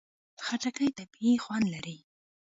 خټکی طبیعي خوند لري.